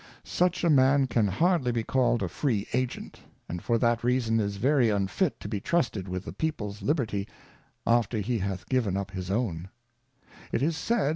Such a man can hardly be called a Free Agent, and for that reason is very unfit to be trusted with the PeoplesJLiherty, after he hath given up his own^. It is said.